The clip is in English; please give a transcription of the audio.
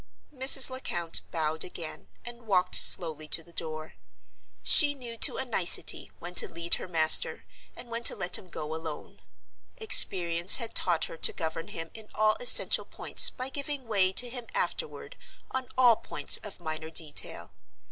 Mrs. Lecount bowed again and walked slowly to the door. She knew to a nicety when to lead her master and when to let him go alone. Experience had taught her to govern him in all essential points by giving way to him afterward on all points of minor detail.